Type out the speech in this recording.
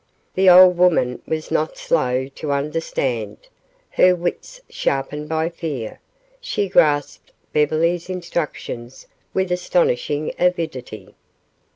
The old woman was not slow to understand. Her wits sharpened by fear, she grasped Beverly's instructions with astonishing avidity.